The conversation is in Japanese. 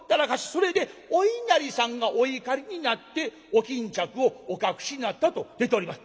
それでお稲荷さんがお怒りになってお巾着をお隠しになったと出ております」。